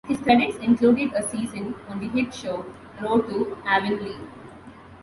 His credits included a season on the hit show "Road to Avonlea".